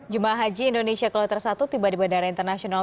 jemaah haji indonesia keluarga tersatu tiba di bandara internasional